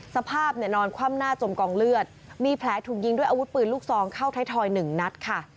สภาพเนี่ยนอนคว่ำหน้าจมกองเลือดมีแผลถูกยิงด้วยอาวุธปืนลูกซองเข้าไทยทอย๑นัดค่ะ